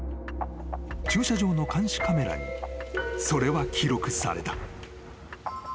［駐車場の監視カメラにそれは記録された］